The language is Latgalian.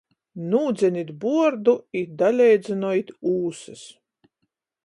Nūdzenit buordu i daleidzynojit ūsys!